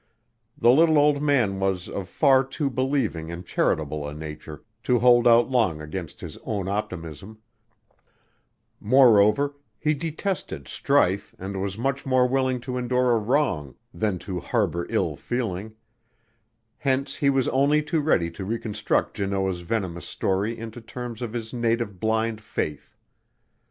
The little old man was of far too believing and charitable a nature to hold out long against his own optimism; moreover, he detested strife and was much more willing to endure a wrong than to harbor ill feeling; hence he was only too ready to reconstruct Janoah's venomous story into terms of his native blind faith.